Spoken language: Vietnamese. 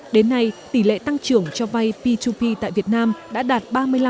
đến nay tỷ lệ tăng trưởng cho vay p hai p tại việt nam đã đạt ba mươi năm năm mươi